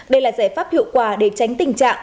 đây là giải pháp hiệu quả để tránh tình trạng